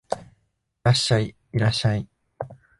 いらっしゃい、いらっしゃい